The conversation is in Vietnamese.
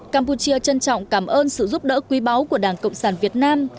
campuchia trân trọng cảm ơn sự giúp đỡ quý báu của đảng cộng sản việt nam